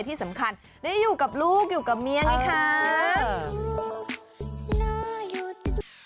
ที่สำคัญได้อยู่กับลูกอยู่กับเมียไงคะหน้าหยุด